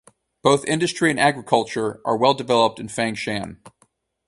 Both industry and agriculture are well developed in Fangshan.